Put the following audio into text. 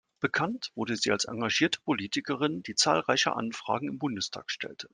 Bekannt wurde sie als engagierte Politikerin, die zahlreiche Anfragen im Bundestag stellte.